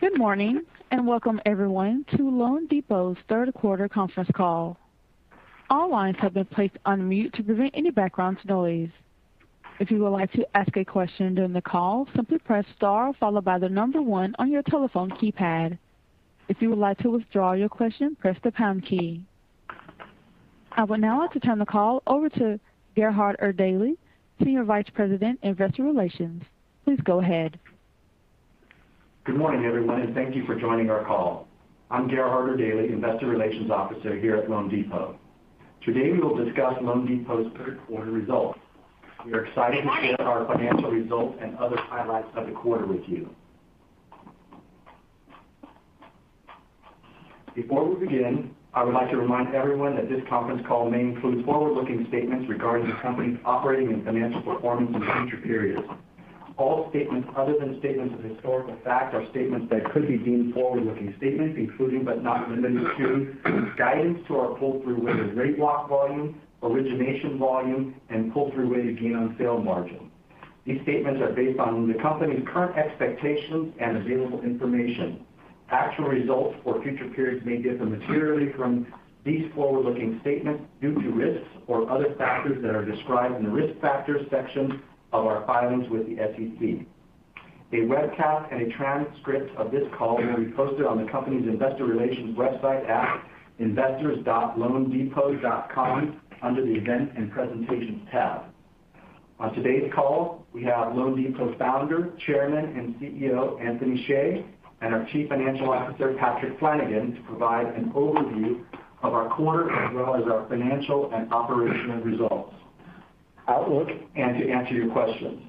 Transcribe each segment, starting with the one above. Good morning, and welcome everyone to loanDepot's third quarter conference call. All lines have been placed on mute to prevent any background noise. If you would like to ask a question during the call, simply press star followed by the number one on your telephone keypad. If you would like to withdraw your question, press the pound key. I would now like to turn the call over to Gerhard Erdelji, Senior Vice President, Investor Relations. Please go ahead. Good morning, everyone, and thank you for joining our call. I'm Gerhard Erdelji, Investor Relations Officer here at loanDepot. Today, we will discuss loanDepot's third quarter results. We are excited to share our financial results and other highlights of the quarter with you. Before we begin, I would like to remind everyone that this conference call may include forward-looking statements regarding the company's operating and financial performance in future periods. All statements other than statements of historical fact are statements that could be deemed forward-looking statements, including but not limited to guidance to our pull-through rate of rate lock volume, origination volume, and pull-through rate of gain on sale margin. These statements are based on the company's current expectations and available information. Actual results for future periods may differ materially from these forward-looking statements due to risks or other factors that are described in the Risk Factors section of our filings with the SEC. A webcast and a transcript of this call will be posted on the company's investor relations website at investors.loandepot.com under the Events and Presentations tab. On today's call, we have loanDepot's Founder, Chairman, and CEO, Anthony Hsieh, and our Chief Financial Officer, Patrick Flanagan, to provide an overview of our quarter as well as our financial and operational results, outlook, and to answer your questions.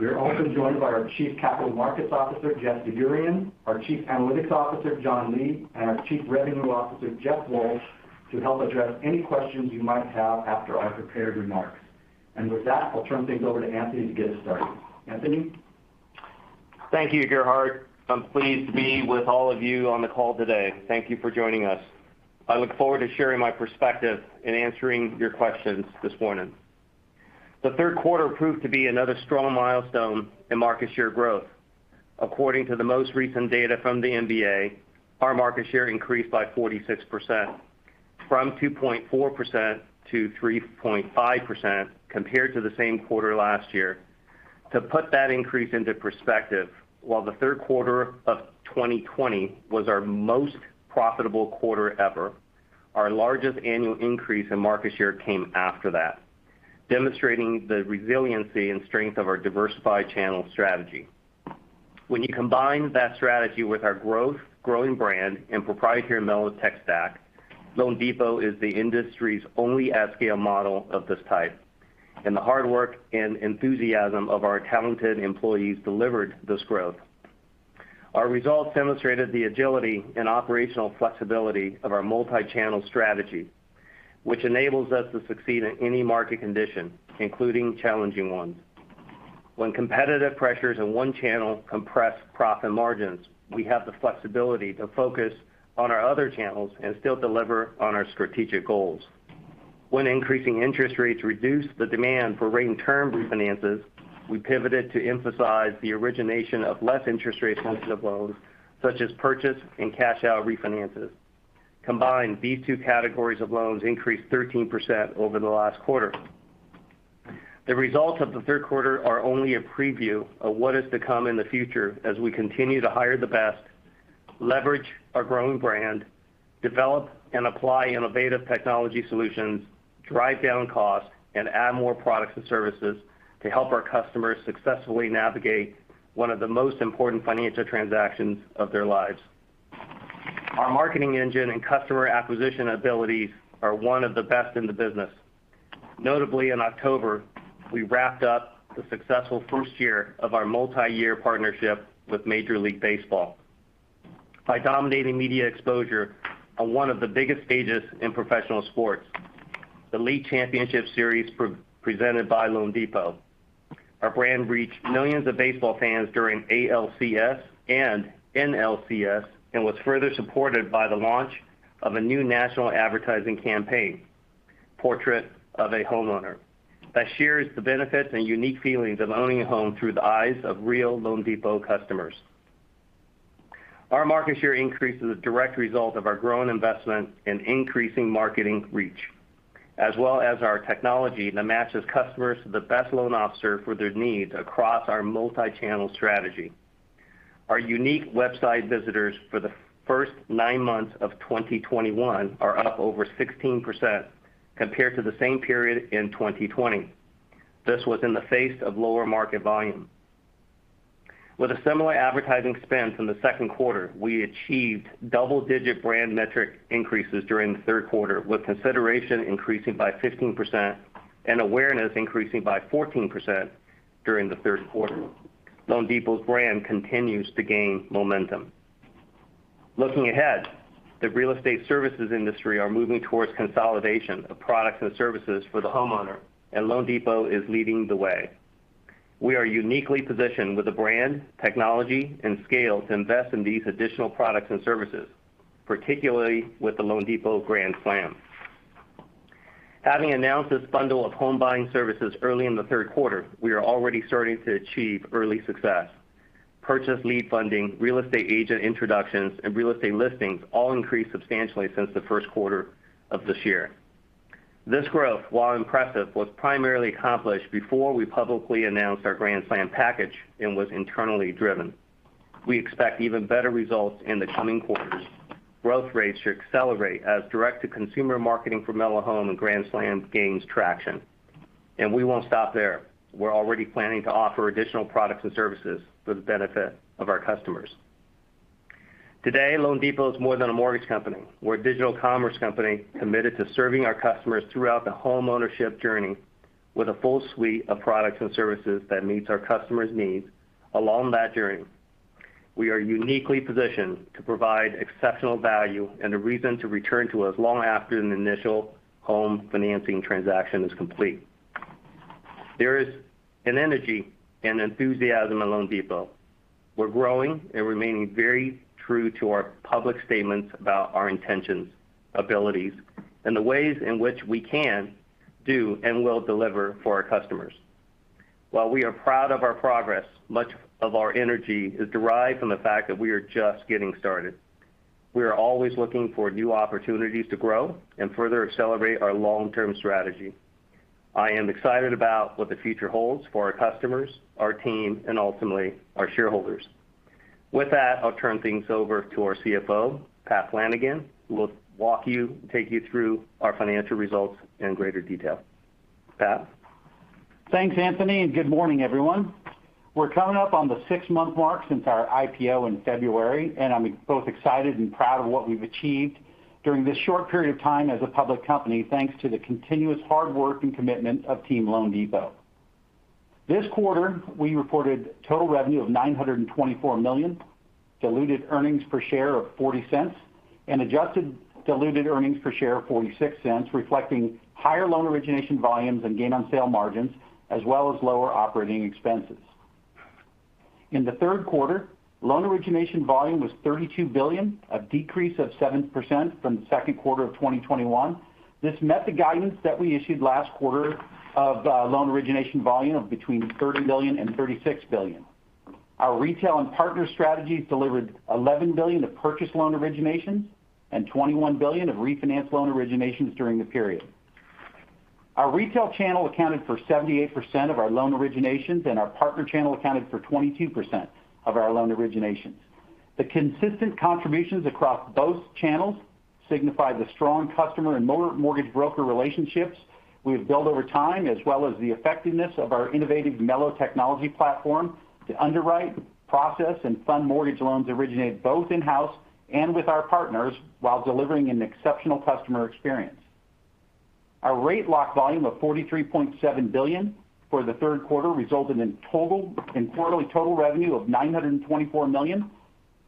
We are also joined by our Chief Capital Markets Officer, Jeff DerGurahian, our Chief Analytics Officer, John Lee, and our Chief Revenue Officer, Jeff Walsh, to help address any questions you might have after our prepared remarks. With that, I'll turn things over to Anthony to get us started. Anthony? Thank you, Gerhard. I'm pleased to be with all of you on the call today. Thank you for joining us. I look forward to sharing my perspective and answering your questions this morning. The third quarter proved to be another strong milestone in market share growth. According to the most recent data from the MBA, our market share increased by 46% from 2.4% to 3.5% compared to the same quarter last year. To put that increase into perspective, while the third quarter of 2020 was our most profitable quarter ever, our largest annual increase in market share came after that, demonstrating the resiliency and strength of our diversified channel strategy. When you combine that strategy with our growth, growing brand, and proprietary mello tech stack, loanDepot is the industry's only at-scale model of this type, and the hard work and enthusiasm of our talented employees delivered this growth. Our results demonstrated the agility and operational flexibility of our multi-channel strategy, which enables us to succeed in any market condition, including challenging ones. When competitive pressures in one channel compress profit margins, we have the flexibility to focus on our other channels and still deliver on our strategic goals. When increasing interest rates reduce the demand for rate and term refinances, we pivoted to emphasize the origination of less interest rate-sensitive loans, such as purchase and cash-out refinances. Combined, these two categories of loans increased 13% over the last quarter. The results of the third quarter are only a preview of what is to come in the future as we continue to hire the best, leverage our growing brand, develop and apply innovative technology solutions, drive down costs, and add more products and services to help our customers successfully navigate one of the most important financial transactions of their lives. Our marketing engine and customer acquisition abilities are one of the best in the business. Notably, in October, we wrapped up the successful first year of our multi-year partnership with Major League Baseball, by dominating media exposure on one of the biggest stages in professional sports, the League Championship Series presented by loanDepot. Our brand reached millions of baseball fans during ALCS and NLCS, and was further supported by the launch of a new national advertising campaign, Portrait of a Homeowner, that shares the benefits and unique feelings of owning a home through the eyes of real loanDepot customers. Our market share increase is a direct result of our growing investment in increasing marketing reach, as well as our technology that matches customers the best loan officer for their needs across our multi-channel strategy. Our unique website visitors for the first nine months of 2021 are up over 16% compared to the same period in 2020. This was in the face of lower market volume. With a similar advertising spend from the second quarter, we achieved double-digit brand metric increases during the third quarter, with consideration increasing by 15% and awareness increasing by 14% during the third quarter. loanDepot's brand continues to gain momentum. Looking ahead, the real estate services industry are moving towards consolidation of products and services for the homeowner, and loanDepot is leading the way. We are uniquely positioned with the brand, technology, and scale to invest in these additional products and services, particularly with the loanDepot Grand Slam. Having announced this bundle of home buying services early in the third quarter, we are already starting to achieve early success. Purchase lead funding, real estate agent introductions, and real estate listings all increased substantially since the first quarter of this year. This growth, while impressive, was primarily accomplished before we publicly announced our Grand Slam package and was internally driven. We expect even better results in the coming quarters. Growth rates should accelerate as direct-to-consumer marketing for mellohome and Grand Slam gains traction. We won't stop there. We're already planning to offer additional products and services for the benefit of our customers. Today, loanDepot is more than a mortgage company. We're a digital commerce company committed to serving our customers throughout the homeownership journey with a full suite of products and services that meets our customers' needs along that journey. We are uniquely positioned to provide exceptional value and a reason to return to us long after an initial home financing transaction is complete. There is an energy and enthusiasm at loanDepot. We're growing and remaining very true to our public statements about our intentions, abilities, and the ways in which we can, do, and will deliver for our customers. While we are proud of our progress, much of our energy is derived from the fact that we are just getting started. We are always looking for new opportunities to grow and further accelerate our long-term strategy. I am excited about what the future holds for our customers, our team, and ultimately, our shareholders. With that, I'll turn things over to our CFO, Patrick Flanagan, who will take you through our financial results in greater detail. Patrick? Thanks, Anthony, and good morning, everyone. We're coming up on the six-month mark since our IPO in February, and I'm both excited and proud of what we've achieved during this short period of time as a public company, thanks to the continuous hard work and commitment of team loanDepot. This quarter, we reported total revenue of $924 million, diluted earnings per share of $0.40, and adjusted diluted earnings per share of $0.46, reflecting higher loan origination volumes and gain on sale margins, as well as lower operating expenses. In the third quarter, loan origination volume was $32 billion, a decrease of 7% from the second quarter of 2021. This met the guidance that we issued last quarter of loan origination volume of between $30 billion and $36 billion. Our retail and partner strategies delivered $11 billion of purchase loan originations and $21 billion of refinance loan originations during the period. Our retail channel accounted for 78% of our loan originations, and our partner channel accounted for 22% of our loan originations. The consistent contributions across both channels signify the strong customer and mortgage broker relationships we have built over time, as well as the effectiveness of our innovative mello technology platform to underwrite, process, and fund mortgage loans originated both in-house and with our partners while delivering an exceptional customer experience. Our rate lock volume of $43.7 billion for the third quarter resulted in total quarterly revenue of $924 million,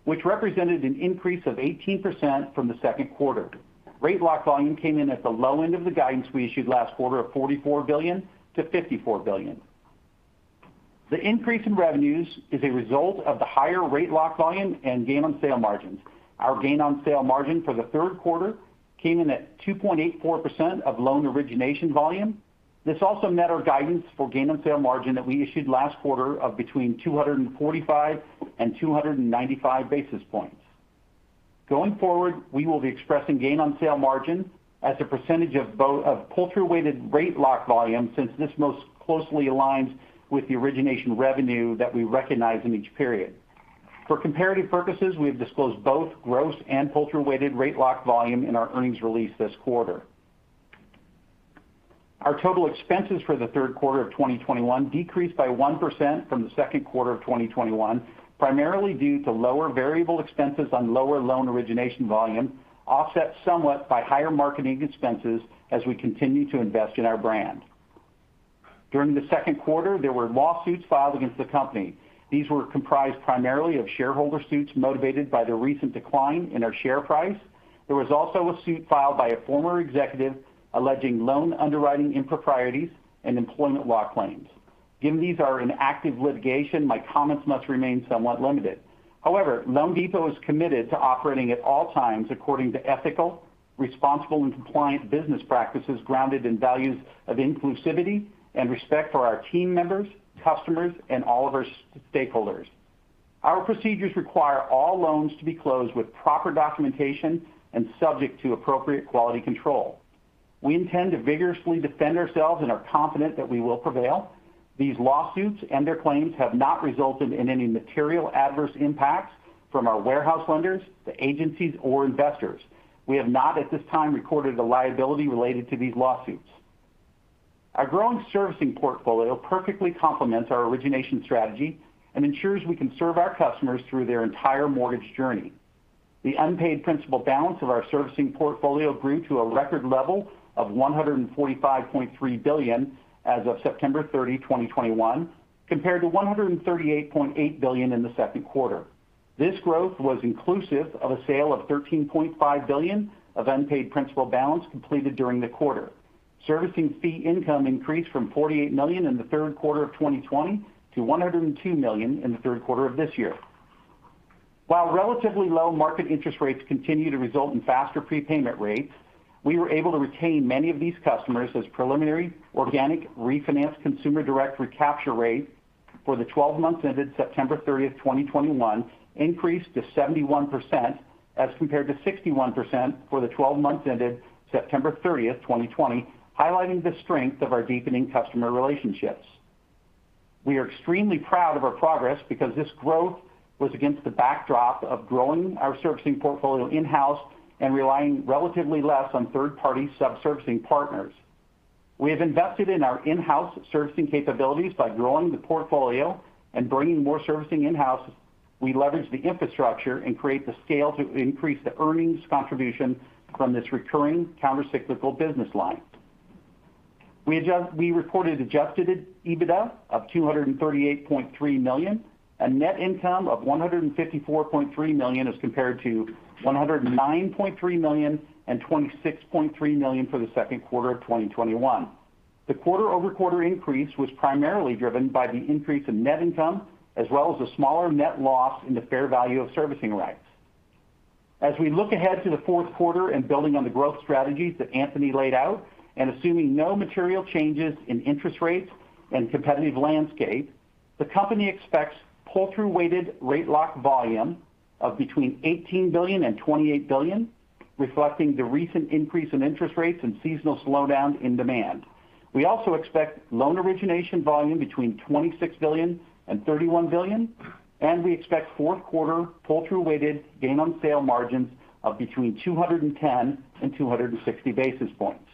which represented an increase of 18% from the second quarter. Rate lock volume came in at the low end of the guidance we issued last quarter of $44 billion-$54 billion. The increase in revenues is a result of the higher rate lock volume and gain on sale margins. Our gain on sale margin for the third quarter came in at 2.84% of loan origination volume. This also met our guidance for gain on sale margin that we issued last quarter of between 245 and 295 basis points. Going forward, we will be expressing gain on sale margin as a percentage of pull-through weighted rate lock volume since this most closely aligns with the origination revenue that we recognize in each period. For comparative purposes, we have disclosed both gross and pull-through weighted rate lock volume in our earnings release this quarter. Our total expenses for the third quarter of 2021 decreased by 1% from the second quarter of 2021, primarily due to lower variable expenses on lower loan origination volume, offset somewhat by higher marketing expenses as we continue to invest in our brand. During the second quarter, there were lawsuits filed against the company. These were comprised primarily of shareholder suits motivated by the recent decline in our share price. There was also a suit filed by a former executive alleging loan underwriting improprieties and employment law claims. Given these are in active litigation, my comments must remain somewhat limited. However, loanDepot is committed to operating at all times according to ethical, responsible, and compliant business practices grounded in values of inclusivity and respect for our team members, customers, and all of our stakeholders. Our procedures require all loans to be closed with proper documentation and subject to appropriate quality control. We intend to vigorously defend ourselves and are confident that we will prevail. These lawsuits and their claims have not resulted in any material adverse impacts from our warehouse lenders to agencies or investors. We have not, at this time, recorded a liability related to these lawsuits. Our growing servicing portfolio perfectly complements our origination strategy and ensures we can serve our customers through their entire mortgage journey. The unpaid principal balance of our servicing portfolio grew to a record level of $145.3 billion as of September 30th, 2021, compared to $138.8 billion in the second quarter. This growth was inclusive of a sale of $13.5 billion of unpaid principal balance completed during the quarter. Servicing fee income increased from $48 million in the third quarter of 2020 to $102 million in the third quarter of this year. While relatively low market interest rates continue to result in faster prepayment rates, we were able to retain many of these customers as preliminary organic refinance consumer direct recapture rate for the 12 months ended September 30th, 2021 increased to 71% as compared to 61% for the 12 months ended September 30th, 2020, highlighting the strength of our deepening customer relationships. We are extremely proud of our progress because this growth was against the backdrop of growing our servicing portfolio in-house and relying relatively less on third-party sub-servicing partners. We have invested in our in-house servicing capabilities by growing the portfolio and bringing more servicing in-house. We leverage the infrastructure and create the scale to increase the earnings contribution from this recurring countercyclical business line. We reported adjusted EBITDA of $238.3 million, and net income of $154.3 million as compared to $109.3 million and $26.3 million for the second quarter of 2021. The quarter-over-quarter increase was primarily driven by the increase in net income, as well as a smaller net loss in the fair value of servicing rights. As we look ahead to the fourth quarter and building on the growth strategies that Anthony laid out, and assuming no material changes in interest rates and competitive landscape, the company expects pull-through weighted rate lock volume of between $18 billion and $28 billion, reflecting the recent increase in interest rates and seasonal slowdown in demand. We also expect loan origination volume between $26 billion and $31 billion, and we expect fourth quarter pull-through weighted gain on sale margins of between 210 and 260 basis points.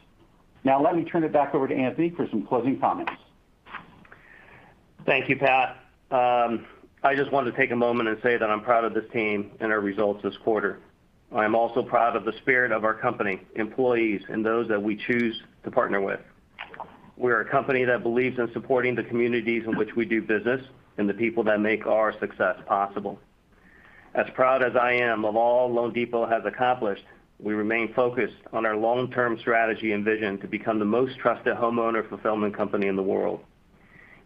Now let me turn it back over to Anthony for some closing comments. Thank you, Patrick. I just wanted to take a moment and say that I'm proud of this team and our results this quarter. I'm also proud of the spirit of our company, employees, and those that we choose to partner with. We're a company that believes in supporting the communities in which we do business and the people that make our success possible. As proud as I am of all loanDepot has accomplished, we remain focused on our long-term strategy and vision to become the most trusted homeowner fulfillment company in the world,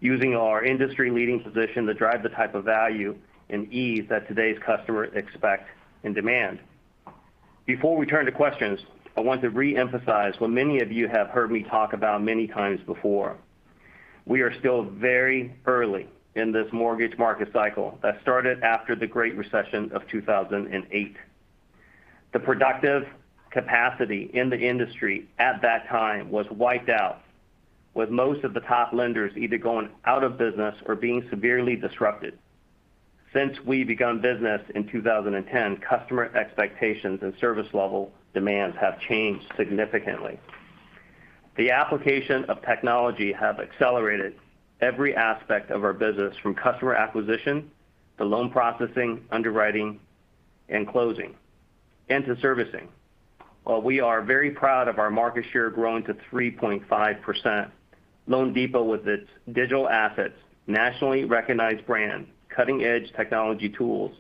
using our industry-leading position to drive the type of value and ease that today's customers expect and demand. Before we turn to questions, I want to reemphasize what many of you have heard me talk about many times before. We are still very early in this mortgage market cycle that started after the Great Recession of 2008. The productive capacity in the industry at that time was wiped out, with most of the top lenders either going out of business or being severely disrupted. Since we begun business in 2010, customer expectations and service level demands have changed significantly. The application of technology have accelerated every aspect of our business from customer acquisition to loan processing, underwriting, and closing, and to servicing. While we are very proud of our market share growing to 3.5%, loanDepot with its digital assets, nationally recognized brand, cutting-edge technology tools,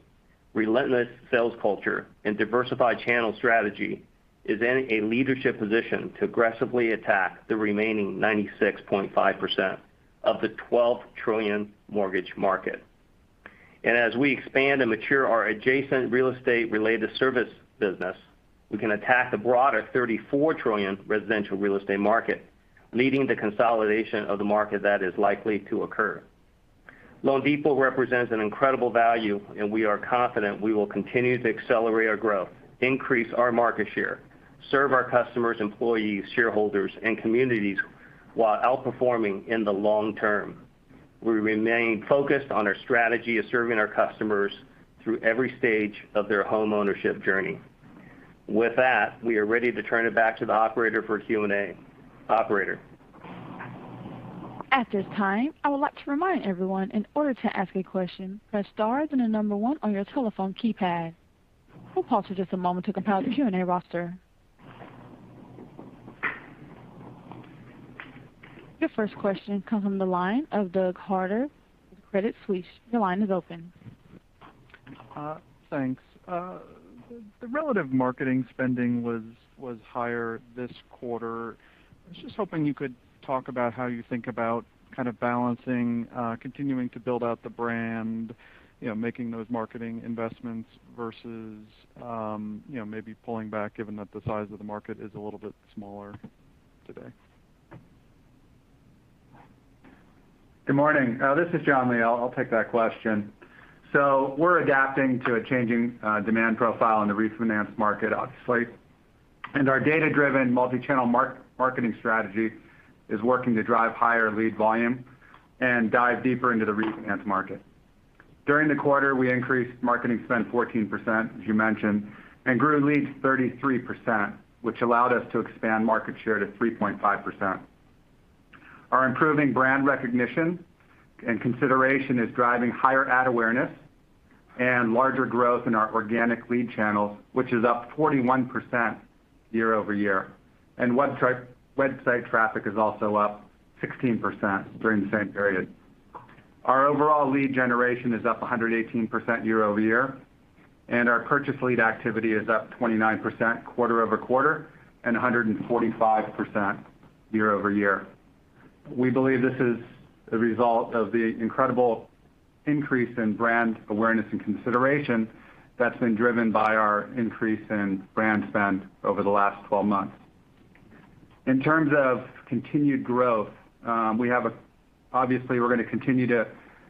relentless sales culture, and diversified channel strategy, is in a leadership position to aggressively attack the remaining 96.5% of the $12 trillion mortgage market. As we expand and mature our adjacent real estate-related service business, we can attack the broader $34 trillion residential real estate market, leading the consolidation of the market that is likely to occur. loanDepot represents an incredible value, and we are confident we will continue to accelerate our growth, increase our market share, serve our customers, employees, shareholders, and communities while outperforming in the long term. We remain focused on our strategy of serving our customers through every stage of their homeownership journey. With that, we are ready to turn it back to the operator for Q&A. Operator? At this time, I would like to remind everyone in order to ask a question, press star and the number one on your telephone keypad. We'll pause for just a moment to compile the Q&A roster. Your first question comes from the line of Doug Harter with Credit Suisse. Your line is open. Thanks. The relative marketing spending was higher this quarter. I was just hoping you could talk about how you think about kind of balancing continuing to build out the brand, you know, making those marketing investments versus, you know, maybe pulling back given that the size of the market is a little bit smaller today. Good morning. This is John Lee. I'll take that question. We're adapting to a changing demand profile in the refinance market, obviously. Our data-driven multi-channel marketing strategy is working to drive higher lead volume and dive deeper into the refinance market. During the quarter, we increased marketing spend 14%, as you mentioned, and grew leads 33%, which allowed us to expand market share to 3.5%. Our improving brand recognition and consideration is driving higher ad awareness and larger growth in our organic lead channels, which is up 41% year-over-year. Website traffic is also up 16% during the same period. Our overall lead generation is up 118% year-over-year, and our purchase lead activity is up 29% quarter-over-quarter and 145% year-over-year. We believe this is a result of the incredible increase in brand awareness and consideration that's been driven by our increase in brand spend over the last 12 months. In terms of continued growth, obviously, we're going to continue to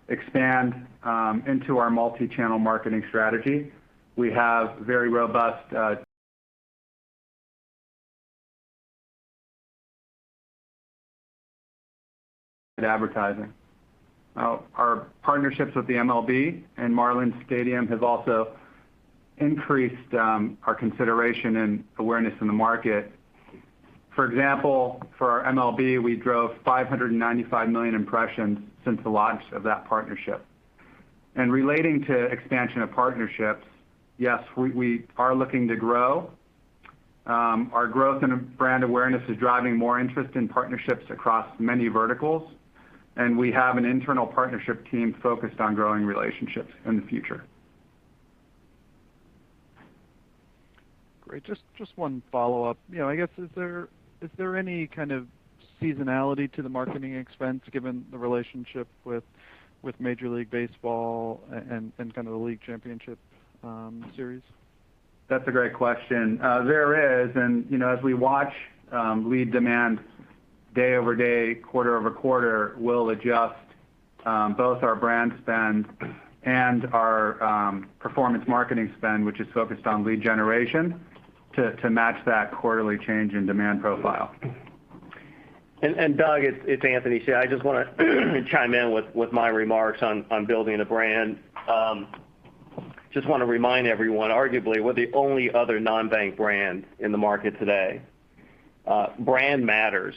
expand into our multi-channel marketing strategy. We have very robust advertising. Now, our partnerships with the MLB and loanDepot park have also increased our consideration and awareness in the market. For example, for our MLB, we drove 595 million impressions since the launch of that partnership. Relating to expansion of partnerships, yes, we are looking to grow. Our growth in brand awareness is driving more interest in partnerships across many verticals, and we have an internal partnership team focused on growing relationships in the future. Great. Just one follow-up. You know, I guess, is there any kind of seasonality to the marketing expense, given the relationship with Major League Baseball and kind of the League Championship Series? That's a great question. There is. You know, as we watch lead demand day-over-day, quarter-over-quarter, we'll adjust both our brand spend and our performance marketing spend, which is focused on lead generation to match that quarterly change in demand profile. Doug, it's Anthony. See, I just wanna chime in with my remarks on building a brand. Just want to remind everyone, arguably, we're the only other non-bank brand in the market today. Brand matters.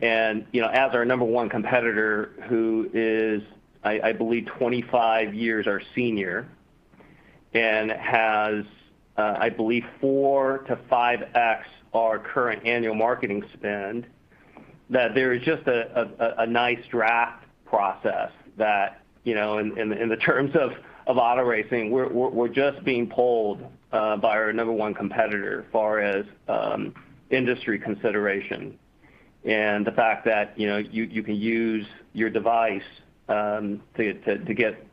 You know, as our number one competitor who is, I believe 25 years our senior and has, I believe 4x-5x our current annual marketing spend, that there is just a nice draft process that you know, in the terms of auto racing, we're just being pulled by our number one competitor far as industry consideration. The fact that you know, you can use your device to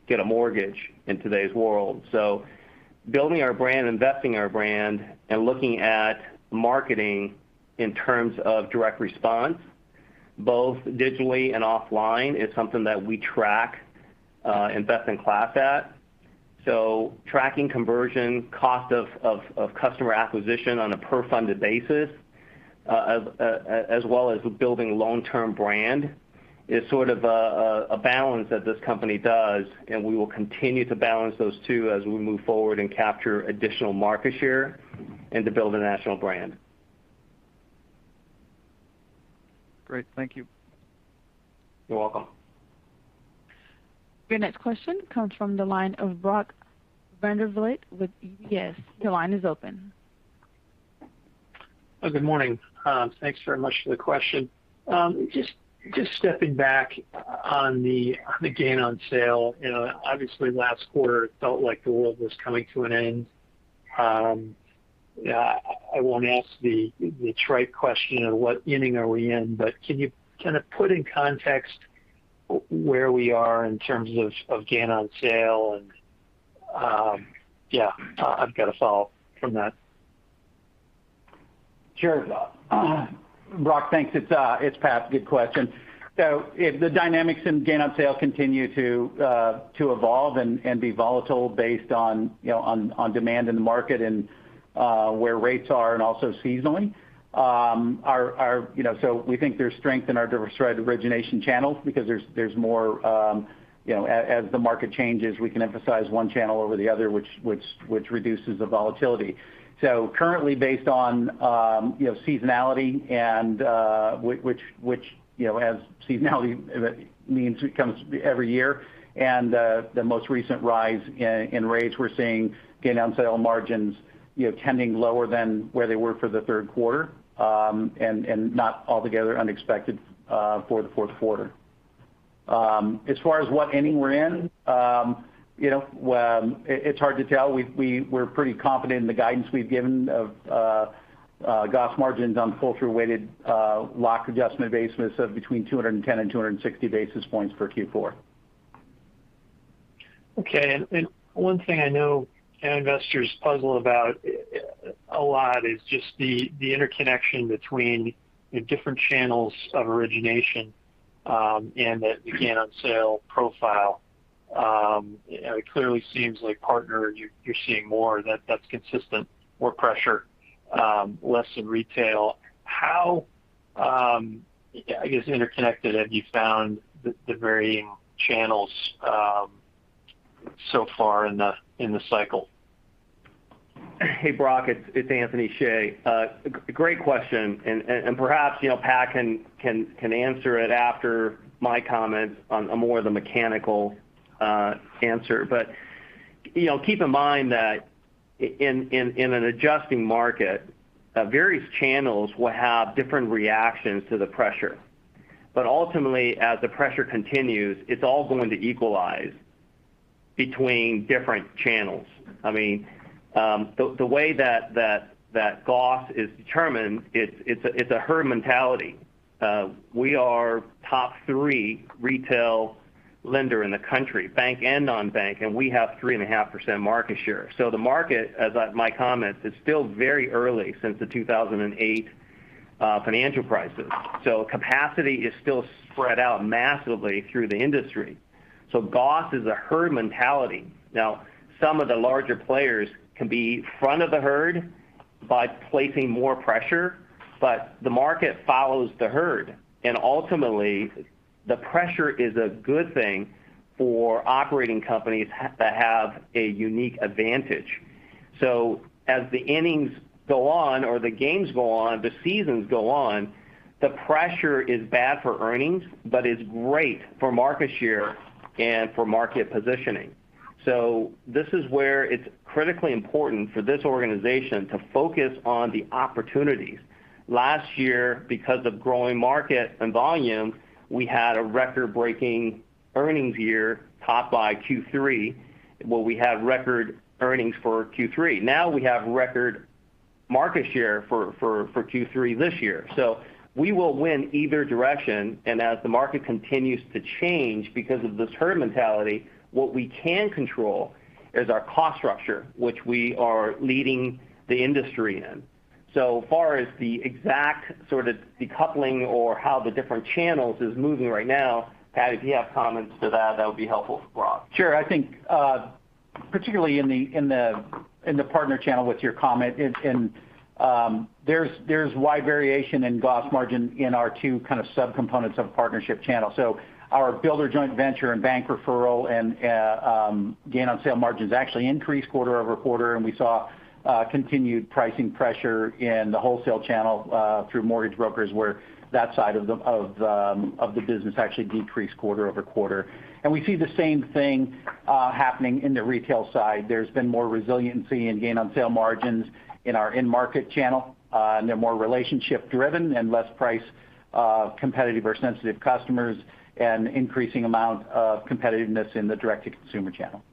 get a mortgage in today's world. Building our brand, investing our brand, and looking at marketing in terms of direct response, both digitally and offline, is something that we track, and best in class at. Tracking conversion, cost of customer acquisition on a per funded basis, as well as building long-term brand is sort of a balance that this company does, and we will continue to balance those two as we move forward and capture additional market share and to build a national brand. Great. Thank you. You're welcome. Your next question comes from the line of Brock Vandervliet with UBS. Your line is open. Good morning. Thanks very much for the question. Just stepping back on the gain on sale. You know, obviously last quarter it felt like the world was coming to an end. I won't ask the trite question of what inning are we in, but can you kind of put in context where we are in terms of gain on sale? Yeah, I've got a follow-up from that. Sure. Brock, thanks. It's Patrick. Good question. If the dynamics in gain on sale continue to evolve and be volatile based on you know on demand in the market and where rates are and also seasonally our you know we think there's strength in our diverse three origination channels because there's more you know as the market changes we can emphasize one channel over the other which reduces the volatility. Currently based on you know seasonality and which you know as seasonality means it comes every year the most recent rise in rates we're seeing gain on sale margins you know tending lower than where they were for the third quarter and not altogether unexpected for the fourth quarter. As far as what inning we're in, you know, well, it's hard to tell. We're pretty confident in the guidance we've given of GOS margins on pull-through weighted lock adjustment basis of between 210 and 260 basis points for Q4. Okay. One thing I know investors puzzle about a lot is just the interconnection between the different channels of origination, and the gain on sale profile. It clearly seems like partner, you're seeing more. That's consistent. More pressure, less in retail. How, I guess, interconnected have you found the varying channels, so far in the cycle? Hey, Brock, it's Anthony Hsieh. Great question, and perhaps, you know, Patrick can answer it after my comments on more of the mechanical answer. Keep in mind that in an adjusting market, various channels will have different reactions to the pressure. Ultimately, as the pressure continues, it's all going to equalize between different channels. I mean, the way that GOS is determined, it's a herd mentality. We are top three retail lender in the country, bank and non-bank, and we have 3.5% market share. The market, as my comments, is still very early since the 2008 financial crisis. Capacity is still spread out massively through the industry. GOS is a herd mentality. Now, some of the larger players can be front of the herd by placing more pressure, but the market follows the herd. Ultimately, the pressure is a good thing for operating companies that have a unique advantage. As the innings go on, or the games go on, the seasons go on, the pressure is bad for earnings, but is great for market share and for market positioning. This is where it's critically important for this organization to focus on the opportunities. Last year, because of growing market and volume, we had a record-breaking earnings year topped by Q3, where we had record earnings for Q3. Now we have record market share for Q3 this year. We will win either direction. As the market continues to change because of this herd mentality, what we can control is our cost structure, which we are leading the industry in. As far as the exact sort of decoupling or how the different channels is moving right now, Patrick, if you have comments to that would be helpful for Brock. Sure. I think particularly in the partner channel with your comment, there's wide variation in GOS margin in our two kind of subcomponents of partnership channel. Our builder joint venture and bank referral and gain on sale margins actually increased quarter-over-quarter, and we saw continued pricing pressure in the wholesale channel through mortgage brokers where that side of the business actually decreased quarter-over-quarter. We see the same thing happening in the retail side. There's been more resiliency and gain on sale margins in our in-market channel, and they're more relationship driven and less price competitive or sensitive customers and increasing amount of competitiveness in the direct-to-consumer channel.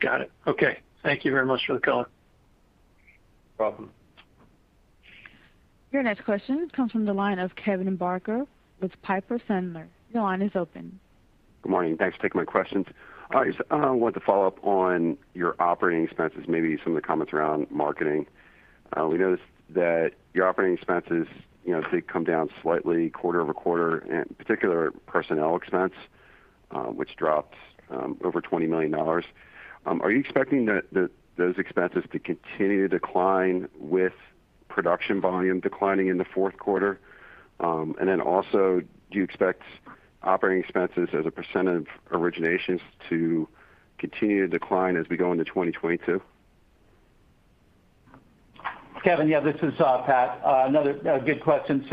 Got it. Okay. Thank you very much for the color. No problem. Your next question comes from the line of Kevin Barker with Piper Sandler. Your line is open. Good morning. Thanks for taking my questions. I just want to follow up on your operating expenses, maybe some of the comments around marketing. We noticed that your operating expenses, you know, did come down slightly quarter-over-quarter, in particular personnel expense, which dropped over $20 million. Are you expecting the those expenses to continue to decline with production volume declining in the fourth quarter? Do you expect operating expenses as a percentage of originations to continue to decline as we go into 2022? Kevin, yeah, this is Patrick. Another good question.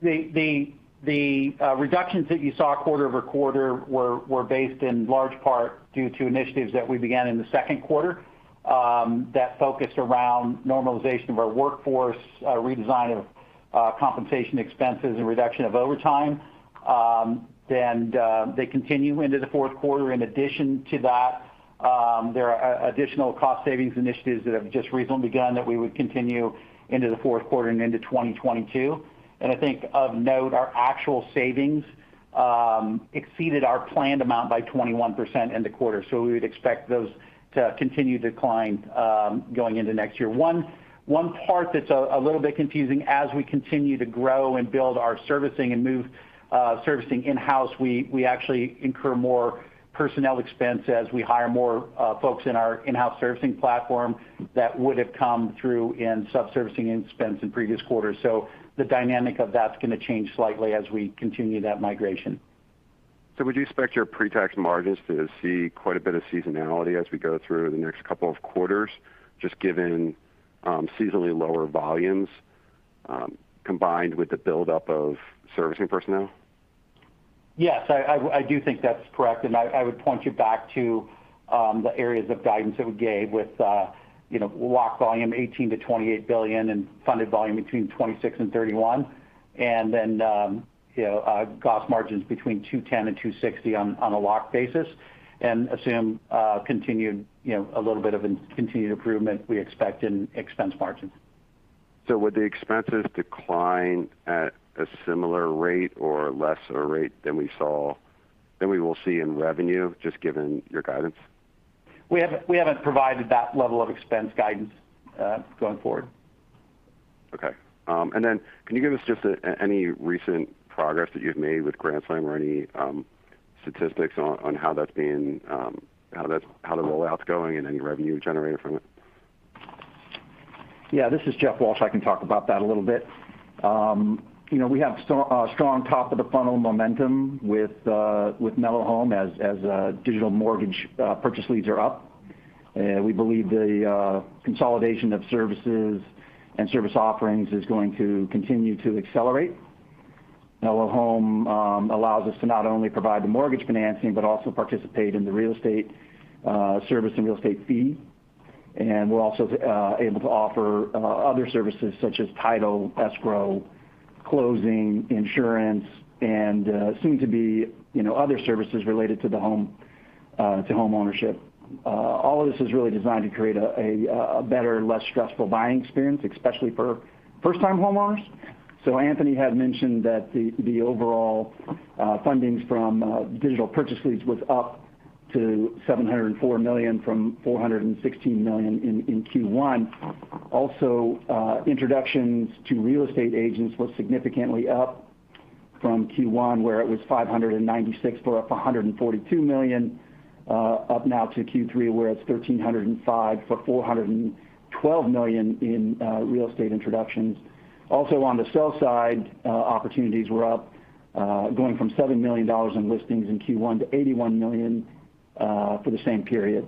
The reductions that you saw quarter-over-quarter were based in large part due to initiatives that we began in the second quarter that focused around normalization of our workforce, redesign of compensation expenses and reduction of overtime. They continue into the fourth quarter. In addition to that, there are additional cost savings initiatives that have just recently begun that we would continue into the fourth quarter and into 2022. I think of note, our actual savings exceeded our planned amount by 21% in the quarter. We would expect those to continue to decline going into next year. One part that's a little bit confusing as we continue to grow and build our servicing and move servicing in-house, we actually incur more personnel expense as we hire more folks in our in-house servicing platform that would have come through in sub-servicing expense in previous quarters. The dynamic of that's going to change slightly as we continue that migration. Would you expect your pre-tax margins to see quite a bit of seasonality as we go through the next couple of quarters, just given seasonally lower volumes, combined with the buildup of servicing personnel? Yes, I do think that's correct. I would point you back to the areas of guidance that we gave with you know lock volume $18 billion-$28 billion and funded volume between $26 billion and $31 billion. GOS margins between 210 and 260 on a locked basis, and assume you know a little bit of continued improvement we expect in expense margins. Would the expenses decline at a similar rate or lesser rate than we will see in revenue just given your guidance? We haven't provided that level of expense guidance going forward. Can you give us just any recent progress that you've made with Grand Slam or any statistics on how the rollout's going and any revenue generated from it? Yeah. This is Jeff Walsh. I can talk about that a little bit. You know, we have a strong top-of-the-funnel momentum with mellohome as digital mortgage purchase leads are up. We believe the consolidation of services and service offerings is going to continue to accelerate. mellohome allows us to not only provide the mortgage financing, but also participate in the real estate service and real estate fee. We're also able to offer other services such as title, escrow, closing, insurance, and soon-to-be, you know, other services related to the home, to home ownership. All of this is really designed to create a better, less stressful buying experience, especially for first-time homeowners. Anthony had mentioned that the overall fundings from digital purchase leads was up to $704 million from $416 million in Q1. Also, introductions to real estate agents was significantly up from Q1, where it was 596 for $142 million, up now to Q3, where it's 1,305 for $412 million in real estate introductions. Also, on the sell side, opportunities were up, going from $7 million in listings in Q1 to $81 million for the same period.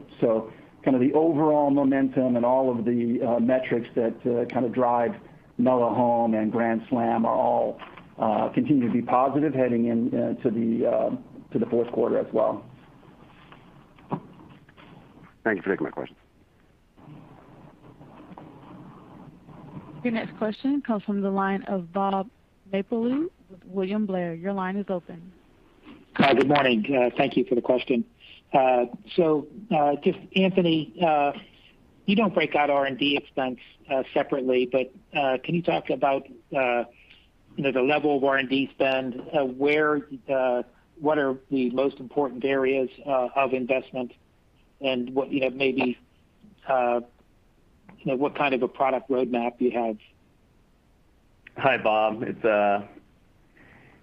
Kind of the overall momentum and all of the metrics that kind of drive mellohome and Grand Slam are all continue to be positive heading in to the fourth quarter as well. Thank you for taking my question. Your next question comes from the line of Bob Napoli with William Blair. Your line is open. Hi. Good morning. Thank you for the question. Just Anthony, you don't break out R&D expense separately, but can you talk about you know, the level of R&D spend? Where what are the most important areas of investment and what you have maybe you know, what kind of a product roadmap you have? Hi, Bob.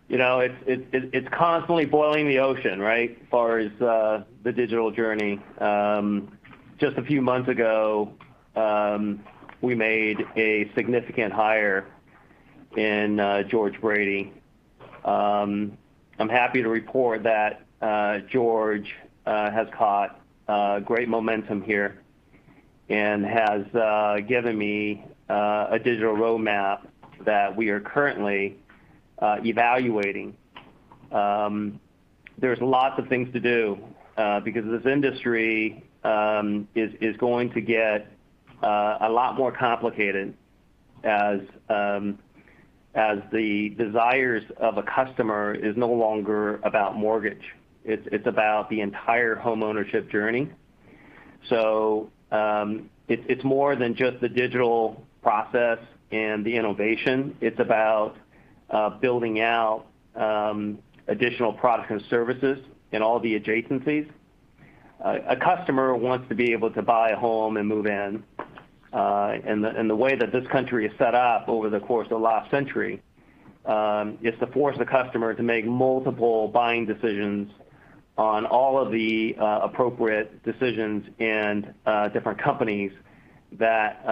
It's you know, it's constantly boiling the ocean, right, as far as the digital journey. Just a few months ago, we made a significant hire in George Brady. I'm happy to report that George has caught great momentum here and has given me a digital roadmap that we are currently evaluating. There's lots of things to do, because this industry is going to get a lot more complicated as the desires of a customer is no longer about mortgage. It's more than just the digital process and the innovation. It's about building out additional products and services in all the adjacencies. A customer wants to be able to buy a home and move in, and the way that this country is set up over the course of the last century is to force the customer to make multiple buying decisions on all of the appropriate decisions and different companies that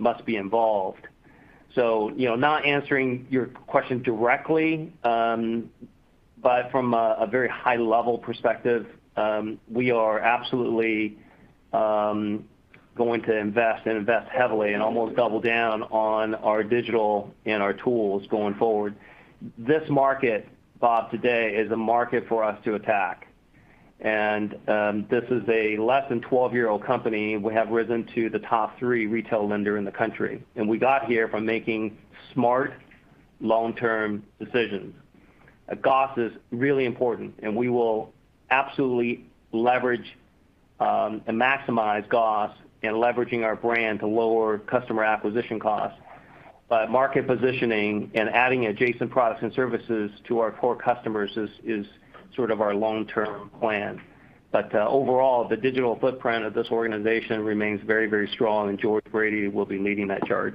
must be involved. You know, not answering your question directly, but from a very high-level perspective, we are absolutely going to invest and invest heavily and almost double down on our digital and our tools going forward. This market, Bob, today is a market for us to attack. This is a less than 12-year-old company. We have risen to the top three retail lender in the country, and we got here from making smart long-term decisions. GOS is really important, and we will absolutely leverage and maximize GOS in leveraging our brand to lower customer acquisition costs. Market positioning and adding adjacent products and services to our core customers is sort of our long-term plan. Overall, the digital footprint of this organization remains very, very strong, and George Brady will be leading that charge.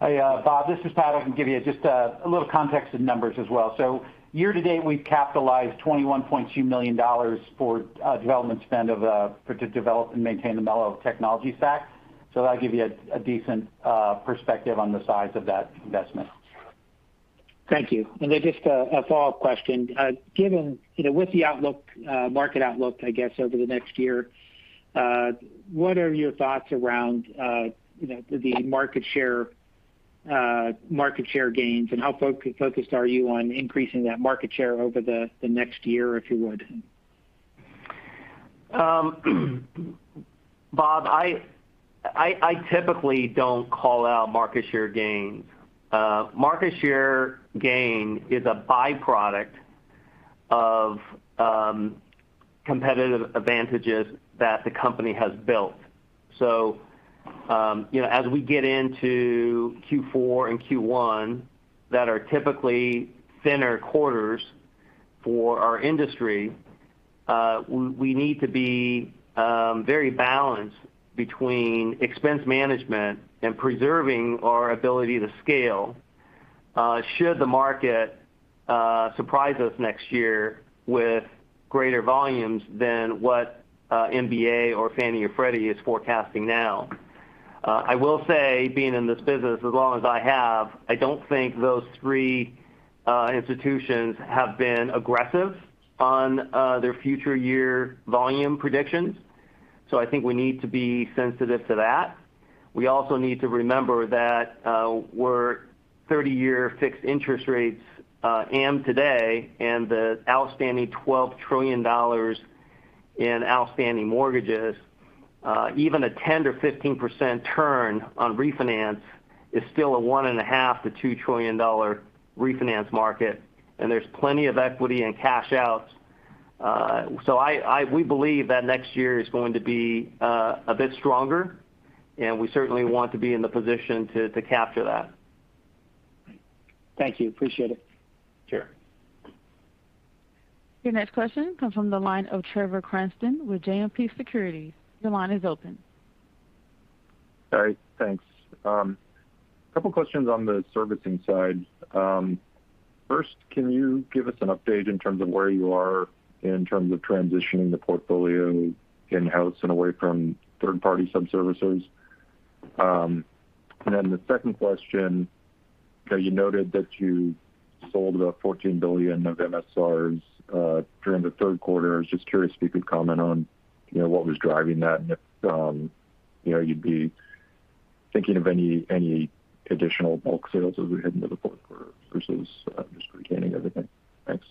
Hey, Bob, this is Patrick. I can give you just a little context of numbers as well. Year to date, we've capitalized $21.2 million for development spend to develop and maintain the mello technology stack. That'll give you a decent perspective on the size of that investment. Thank you. Just a follow-up question. Given, you know, with the outlook, market outlook, I guess, over the next year, what are your thoughts around, you know, the market share, market share gains and how focused are you on increasing that market share over the next year, if you would? Bob, I typically don't call out market share gains. Market share gain is a by-product of competitive advantages that the company has built. You know, as we get into Q4 and Q1, that are typically thinner quarters for our industry, we need to be very balanced between expense management and preserving our ability to scale, should the market surprise us next year with greater volumes than what MBA or Fannie or Freddie is forecasting now. I will say, being in this business as long as I have, I don't think those three institutions have been aggressive on their future year volume predictions. I think we need to be sensitive to that. We also need to remember that, where 30-year fixed interest rates are today and the outstanding $12 trillion in outstanding mortgages, even a 10% or 15% turn on refinance is still a $1.5-$2 trillion refinance market, and there's plenty of equity and cash outs. We believe that next year is going to be a bit stronger, and we certainly want to be in the position to capture that. Thank you. Appreciate it. Sure. Your next question comes from the line of Trevor Cranston with Citizens JMP Securities. Your line is open. All right. Thanks. A couple questions on the servicing side. First, can you give us an update in terms of where you are in terms of transitioning the portfolio in-house and away from third-party sub-servicers? And then the second question, you know, you noted that you sold about $14 billion of MSRs during the third quarter. I was just curious if you could comment on, you know, what was driving that and if, you know, you'd be thinking of any additional bulk sales as we head into the fourth quarter versus just retaining everything. Thanks.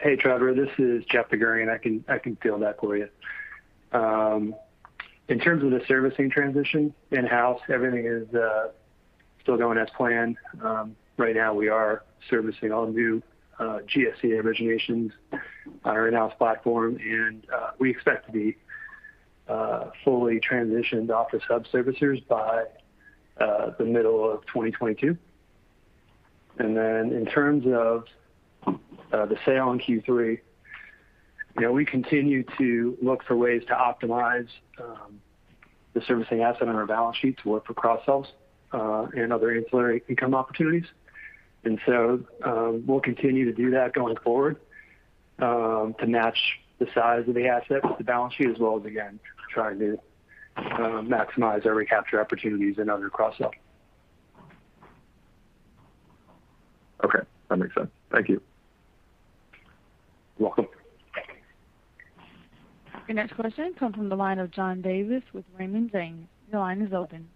Hey, Trevor, this is Jeff DerGurahian. I can field that for you. In terms of the servicing transition in-house, everything is still going as planned. Right now we are servicing all new GSE originations on our in-house platform, and we expect to be fully transitioned off the sub-servicers by the middle of 2022. In terms of the sale in Q3, you know, we continue to look for ways to optimize the servicing asset on our balance sheet to look for cross-sells and other ancillary income opportunities. We'll continue to do that going forward to match the size of the asset with the balance sheet, as well as again, trying to maximize our recapture opportunities in other cross-sell. Okay. That makes sense. Thank you. You're welcome. Your next question comes from the line of John Davis with Raymond James. Your line is open.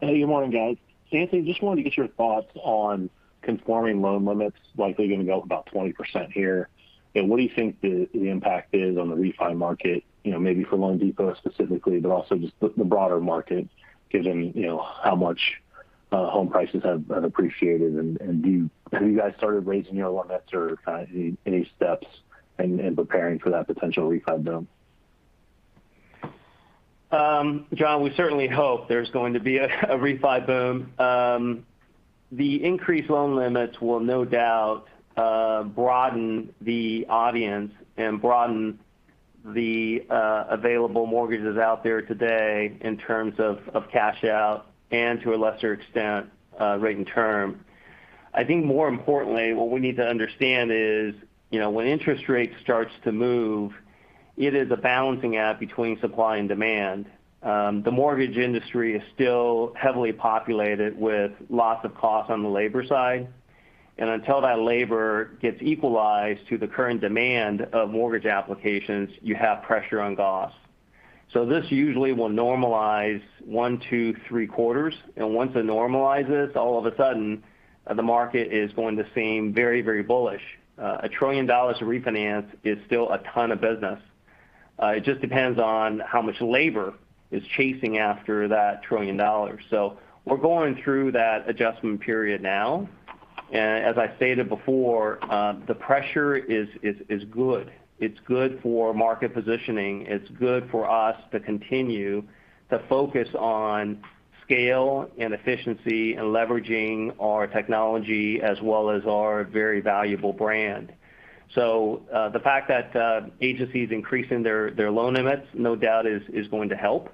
Hey, good morning, guys. Anthony, just wanted to get your thoughts on conforming loan limits likely going to go up about 20% here. You know, what do you think the impact is on the refi market, you know, maybe for loanDepot specifically, but also just the broader market given, you know, how much home prices have appreciated? Have you guys started raising your limits or kind of any steps in preparing for that potential refi boom? John, we certainly hope there's going to be a refi boom. The increased loan limits will no doubt broaden the audience and broaden the available mortgages out there today in terms of cash out and to a lesser extent rate and term. I think more importantly, what we need to understand is, you know, when interest rates starts to move, it is a balancing act between supply and demand. The mortgage industry is still heavily populated with lots of costs on the labor side. Until that labor gets equalized to the current demand of mortgage applications, you have pressure on costs. This usually will normalize one, two, three quarters. Once it normalizes, all of a sudden, the market is going to seem very, very bullish. $1 trillion of refinance is still a ton of business. It just depends on how much labor is chasing after that $1 trillion. We're going through that adjustment period now. As I stated before, the pressure is good. It's good for market positioning. It's good for us to continue to focus on scale and efficiency and leveraging our technology as well as our very valuable brand. The fact that agencies are increasing their loan limits, no doubt, is going to help.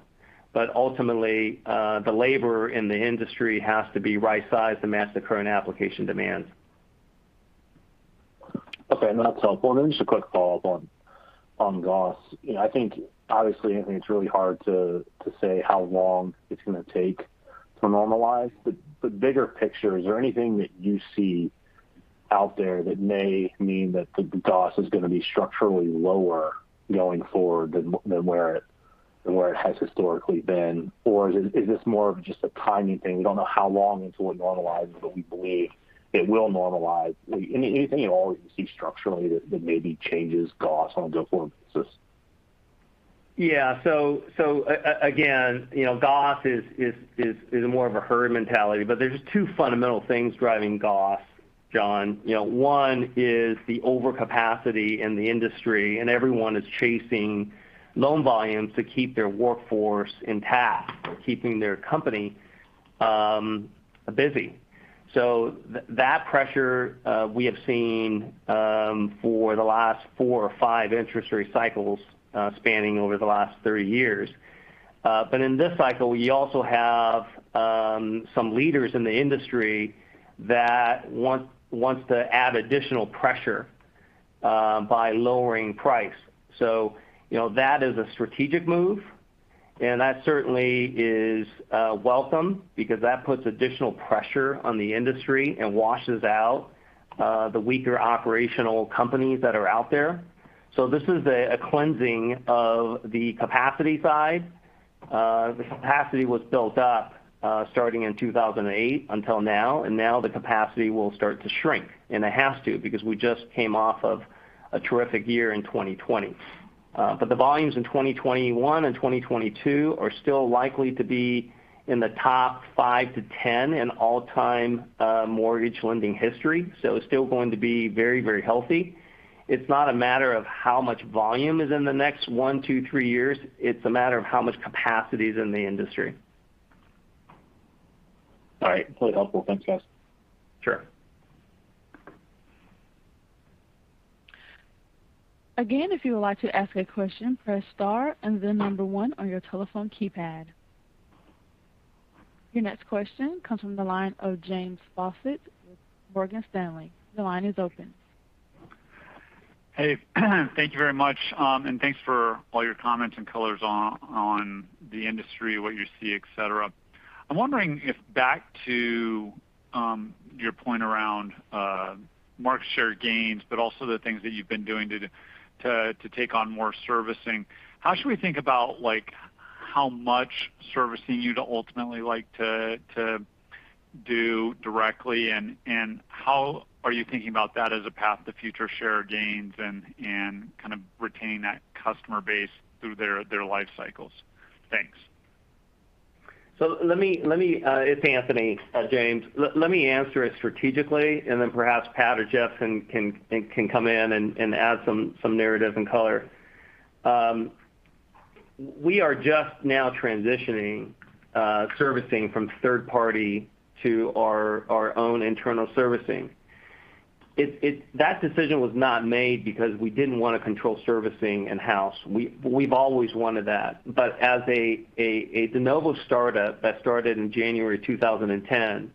Ultimately, the labor in the industry has to be right-sized to match the current application demands. Okay. No, that's helpful. Then just a quick follow-up on costs. You know, I think obviously, I think it's really hard to say how long it's going to take to normalize. But the bigger picture, is there anything that you see out there that may mean that the cost is going to be structurally lower going forward than where it has historically been? Or is this more of just a timing thing? We don't know how long until it normalizes, but we believe it will normalize. Anything at all that you see structurally that maybe changes GOS on a go-forward basis? Yeah. Again, you know, GOS is more of a herd mentality. There's two fundamental things driving GOS, John. You know, one is the overcapacity in the industry, and everyone is chasing loan volumes to keep their workforce intact, keeping their company busy. That pressure we have seen for the last four or five interest rate cycles spanning over the last three years. In this cycle, we also have some leaders in the industry that wants to add additional pressure by lowering price. You know, that is a strategic move, and that certainly is welcome because that puts additional pressure on the industry and washes out the weaker operational companies that are out there. This is a cleansing of the capacity side. The capacity was built up, starting in 2008 until now, and now the capacity will start to shrink. It has to because we just came off of a terrific year in 2020. But the volumes in 2021 and 2022 are still likely to be in the top five-10 in all-time mortgage lending history. It's still going to be very, very healthy. It's not a matter of how much volume is in the next one, two, three years, it's a matter of how much capacity is in the industry. All right. Completely helpful. Thanks, guys. Sure. Again, if you would like to ask a question, press star and then number one on your telephone keypad. Your next question comes from the line of James Faucette with Morgan Stanley. The line is open. Hey. Thank you very much. Thanks for all your comments and color on the industry, what you see, et cetera. I'm wondering, back to your point around market share gains, but also the things that you've been doing to take on more servicing. How should we think about like how much servicing you'd ultimately like to do directly and how are you thinking about that as a path to future share gains and kind of retaining that customer base through their life cycles? Thanks. It's Anthony, James. Let me answer it strategically, and then perhaps Patrick or Jeff can come in and add some narrative and color. We are just now transitioning servicing from third-party to our own internal servicing. That decision was not made because we didn't wanna control servicing in-house. We've always wanted that. As a de novo startup that started in January 2010,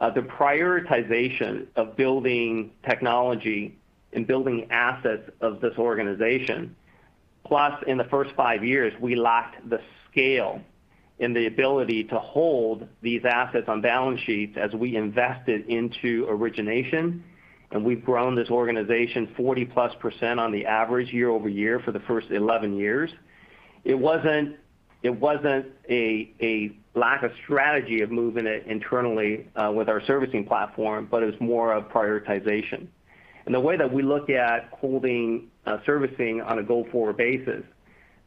the prioritization of building technology and building assets of this organization, plus in the first five years, we lacked the scale and the ability to hold these assets on balance sheets as we invested into origination. We've grown this organization 40%+ on average year-over-year for the first 11 years. It wasn't a lack of strategy of moving it internally with our servicing platform, but it was more of prioritization. The way that we look at holding servicing on a go-forward basis,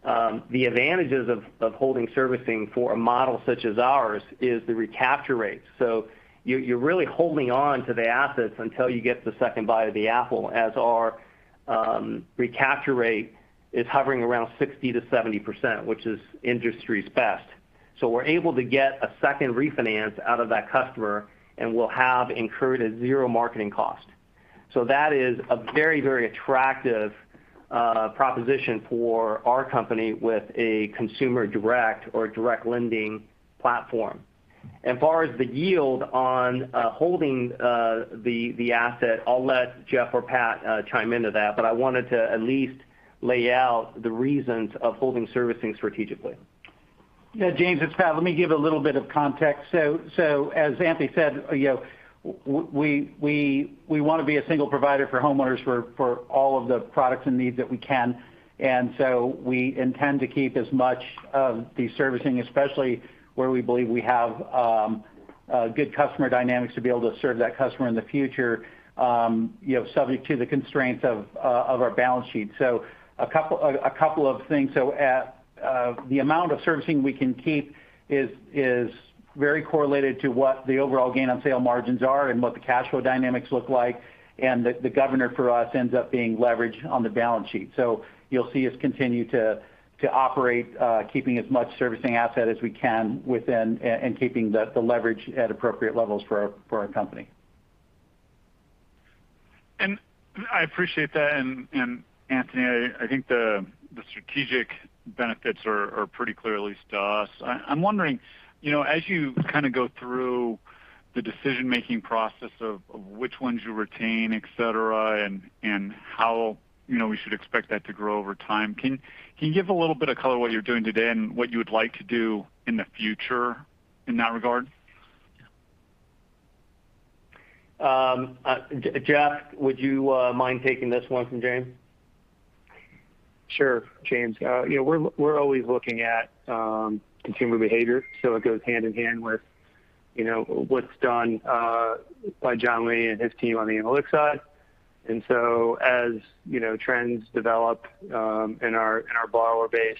the advantages of holding servicing for a model such as ours is the recapture rate. You're really holding on to the assets until you get the second bite of the apple, as our recapture rate is hovering around 60%-70%, which is industry's best. We're able to get a second refinance out of that customer, and we'll have incurred a zero marketing cost. That is a very attractive proposition for our company with a consumer direct or direct lending platform. As far as the yield on holding the asset, I'll let Jeff or Patrick chime in on that, but I wanted to at least lay out the reasons for holding servicing strategically. Yeah, James, it's Patrick. Let me give a little bit of context. As Anthony said, you know, we wanna be a single provider for homeowners for all of the products and needs that we can. We intend to keep as much of the servicing, especially where we believe we have good customer dynamics to be able to serve that customer in the future, you know, subject to the constraints of our balance sheet. A couple of things. The amount of servicing we can keep is very correlated to what the overall gain on sale margins are and what the cash flow dynamics look like. The governor for us ends up being leverage on the balance sheet. You'll see us continue to operate, keeping as much servicing asset as we can within and keeping the leverage at appropriate levels for our company. I appreciate that. Anthony, I think the strategic benefits are pretty clearly to us. I'm wondering, you know, as you kind of go through the decision-making process of which ones you retain, et cetera, and how, you know, we should expect that to grow over time. Can you give a little bit of color what you're doing today and what you would like to do in the future in that regard? Jeff, would you mind taking this one from James? Sure, James. You know, we're always looking at consumer behavior, so it goes hand in hand with, you know, what's done by John Lee and his team on the analytics side. As you know, trends develop in our borrower base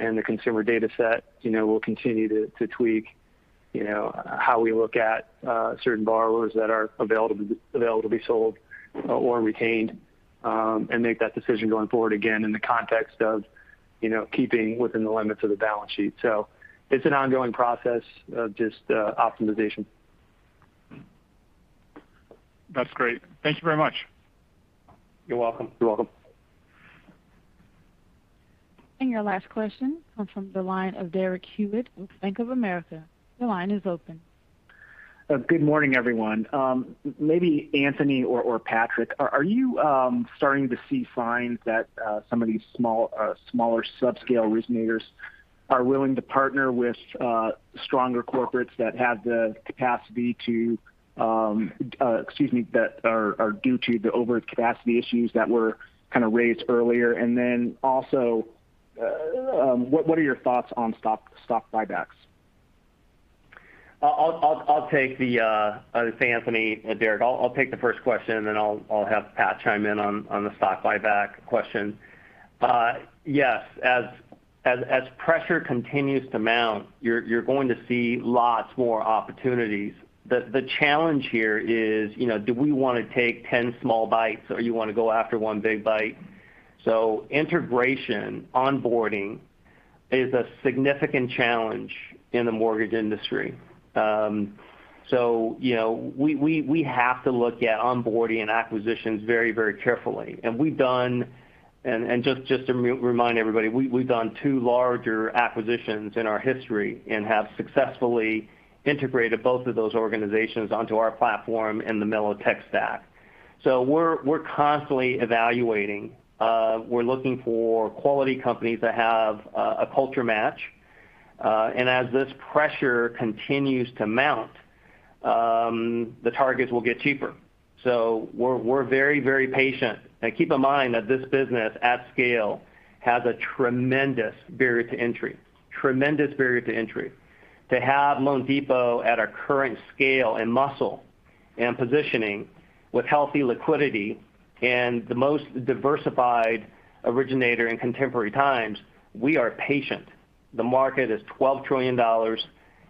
and the consumer dataset, you know, we'll continue to tweak, you know, how we look at certain borrowers that are available to be sold or retained, and make that decision going forward, again, in the context of, you know, keeping within the limits of the balance sheet. It's an ongoing process of just optimization. That's great. Thank you very much. You're welcome. You're welcome. Your last question comes from the line of Derek Hewett with Bank of America. Your line is open. Good morning, everyone. Maybe Anthony or Patrick, are you starting to see signs that some of these smaller subscale originators are willing to partner with stronger corporates that have the capacity to, excuse me, that are due to the overcapacity issues that were kind of raised earlier? What are your thoughts on stock buybacks? This is Anthony Hsieh, Derek Hewett. I'll take the first question, and then I'll have Patrick Flanagan chime in on the stock buyback question. Yes, as pressure continues to mount, you're going to see lots more opportunities. The challenge here is, you know, do we wanna take 10 small bites or you wanna go after one big bite? Integration, onboarding is a significant challenge in the mortgage industry. You know, we have to look at onboarding and acquisitions very carefully. We've done, and just to remind everybody, we've done two larger acquisitions in our history and have successfully integrated both of those organizations onto our platform in the mello stack. We're constantly evaluating. We're looking for quality companies that have a culture match. As this pressure continues to mount, the targets will get cheaper. We're very patient. Now keep in mind that this business at scale has a tremendous barrier to entry. To have loanDepot at our current scale and muscle and positioning with healthy liquidity and the most diversified originator in contemporary times, we are patient. The market is $12 trillion,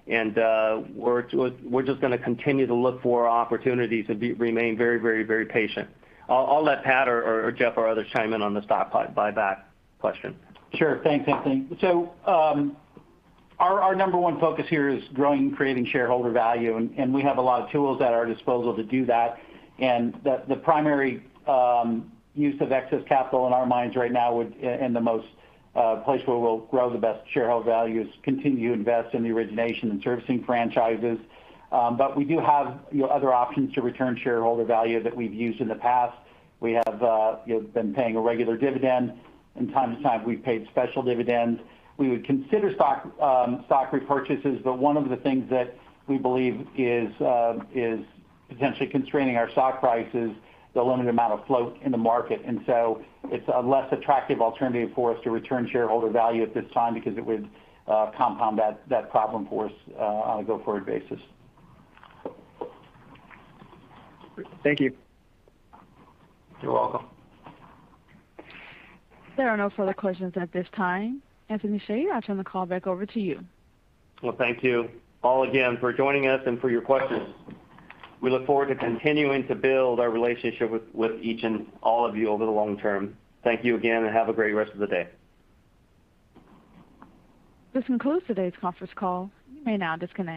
and we're just gonna continue to look for opportunities and remain very patient. I'll let Patrick or Jeff or others chime in on the stock buyback question. Thanks, Anthony. Our number one focus here is growing and creating shareholder value, and we have a lot of tools at our disposal to do that. The primary use of excess capital in our minds right now and the most place where we'll grow the best shareholder value is continue to invest in the origination and servicing franchises. But we do have, you know, other options to return shareholder value that we've used in the past. We have, you know, been paying a regular dividend. From time to time, we've paid special dividends. We would consider stock repurchases, but one of the things that we believe is potentially constraining our stock price is the limited amount of float in the market. It's a less attractive alternative for us to return shareholder value at this time because it would compound that problem for us on a go-forward basis. Thank you. You're welcome. There are no further questions at this time. Anthony Hsieh, I'll turn the call back over to you. Well, thank you all again for joining us and for your questions. We look forward to continuing to build our relationship with each and all of you over the long term. Thank you again, and have a great rest of the day. This concludes today's conference call. You may now disconnect.